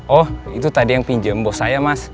oh itu tadi yang pinjam bos saya mas